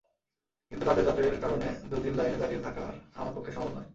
কিন্তু কাজের চাপের কারণে দুদিন লাইনে দাঁড়িয়ে থাকার আমার পক্ষে সম্ভব নয়।